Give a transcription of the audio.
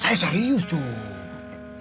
saya serius cuy